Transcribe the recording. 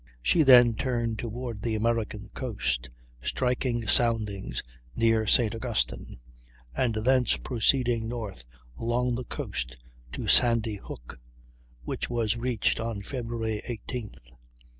She then turned toward the American coast, striking soundings near St. Augustine, and thence proceeding north along the coast to Sandy Hook, which was reached on Feb. 18th.